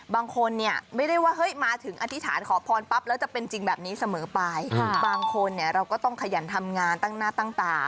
บางคนเนี่ยไม่ได้ว่าเฮ้ยมาถึงอธิษฐานขอพรปั๊บแล้วจะเป็นจริงแบบนี้เสมอไปบางคนเนี่ยเราก็ต้องขยันทำงานตั้งหน้าตั้งตา